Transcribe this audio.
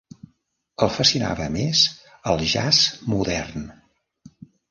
El fascinava més el jazz modern.